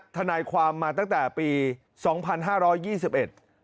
ทนายความมาตั้งแต่ปีสองพันห้าร้อยยี่สิบเอ็ด